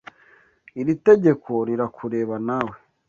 Iri tegeko rirakureba, nawe.